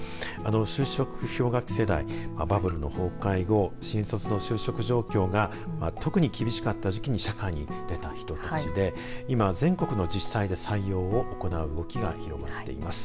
就職氷河期世代バブルの崩壊後新卒の就職状況が特に厳しかった時期に社会に出た人たちで今、全国の自治体で採用を行う動きが広がっています。